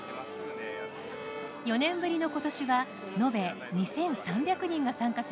４年ぶりの今年は延べ２，３００人が参加しました。